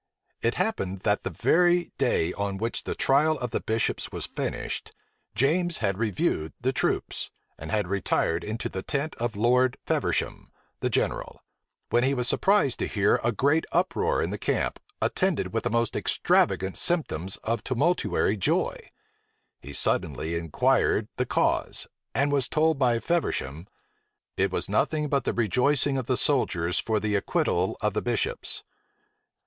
It happened, that the very day on which the trial of the bishops was finished, James had reviewed the troops, and had retired into the tent of Lord Feversham, the general; when he was surprised to hear a great uproar in the camp, attended with the most extravagant symptoms of tumultuary joy. He suddenly inquired the cause, and was told by Feversham, "It was nothing but the rejoicing of the soldiers for the acquittal of the bishops."